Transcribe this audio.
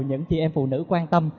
những chị em phụ nữ quan tâm